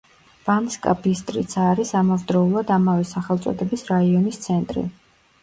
ბანსკა-ბისტრიცა არის ამავდროულად ამავე სახელწოდების რაიონის ცენტრი.